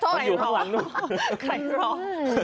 มันอยู่ข้างหลังนู้น